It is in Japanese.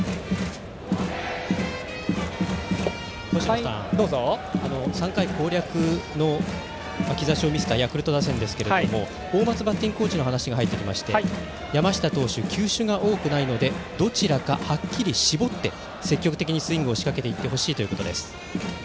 星野さん、３回攻略の兆しを見せたヤクルト打線ですが大松バッティングコーチの話が入ってきまして山下投手は球種が多くないのでどちらかはっきり絞って積極的にスイングを仕掛けていってほしいということです。